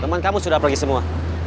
teman kamu sudah pergi semua